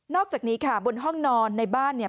อกจากนี้ค่ะบนห้องนอนในบ้านเนี่ย